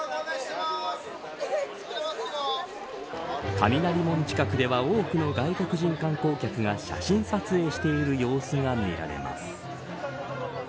雷門近くでは多くの外国人観光客が写真撮影している様子が見られます。